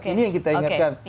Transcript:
ini yang kita ingatkan